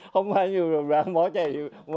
không bao nhiêu lựu đạn bỏ chạy